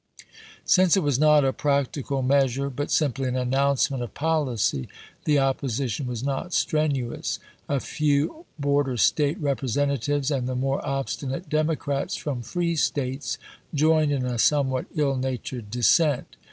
Since it was not a practical measure, but simply an announcement of policy, the opposi tion was not strenuous ; a few border State Repre sentatives and the more obstinate Democrats from free States*joined in a somewhat ill natured dissent.